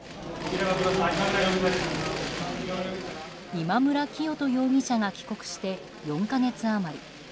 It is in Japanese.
今村磨人容疑者が帰国して４か月余り。